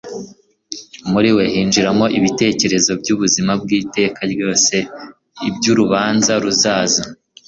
Muri we hinjiramo ibitekerezo by’ubuzima bw’iteka ryose, iby’urubanza ruzaza,